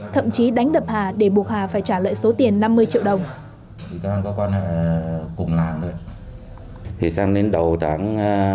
thậm chí đánh đập hà để buộc hà phải trả lại số tiền năm mươi triệu đồng